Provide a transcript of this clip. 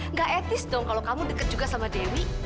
nggak etis dong kalau kamu deket juga sama dewi